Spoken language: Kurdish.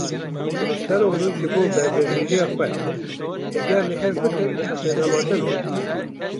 Kiliçdaroglu ji bo berbijêriya xwe, eger li hev bikin ez amade me.